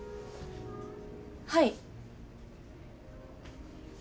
はい。